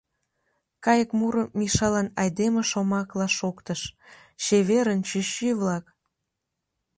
Кайык муро Мишалан айдеме шомакла шоктыш: «Чеверын, чӱчӱ-влак!